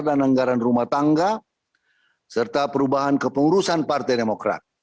dan anggaran rumah tangga serta perubahan kepengurusan partai demokrat